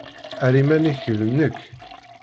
Err iman-nnek d nekk.